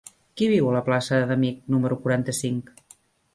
Qui viu a la plaça d'Amich número quaranta-cinc?